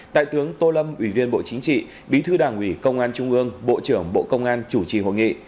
đại tướng tô lâm ủy viên bộ chính trị bí thư đảng ủy công an trung ương bộ trưởng bộ công an chủ trì hội nghị